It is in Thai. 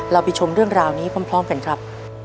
ไปชมเรื่องราวนี้พร้อมกันครับ